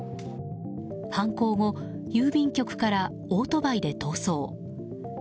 犯行後、郵便局からオートバイで逃走。